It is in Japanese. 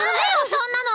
そんなの！